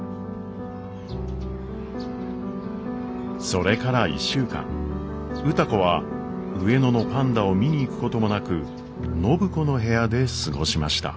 それから１週間歌子は上野のパンダを見に行くこともなく暢子の部屋で過ごしました。